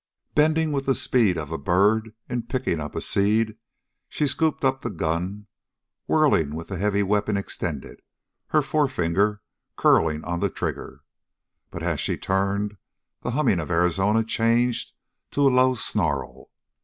Bending with the speed of a bird in picking up a seed, she scooped up the gun, whirling with the heavy weapon extended, her forefinger curling on the trigger. But, as she turned, the humming of Arizona changed to a low snarl.